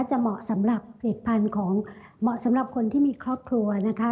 เหมาะสำหรับผลิตภัณฑ์ของเหมาะสำหรับคนที่มีครอบครัวนะคะ